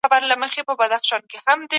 فساد یوه لویه ناروغي ده.